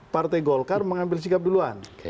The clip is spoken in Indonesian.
partai golkar mengambil sikap duluan